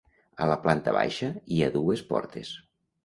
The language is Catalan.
A la planta baixa hi ha dues portes.